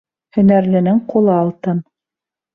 Һөнәрленең ҡулы алтын